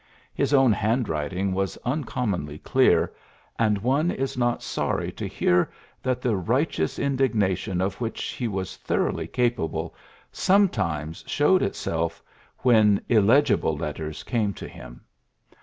His own handwriting was uncommonly clear, and one is not sorry to hear that the righteous indignation of which he was thoroughly capable sometimes showed itself when illegible letters came to him.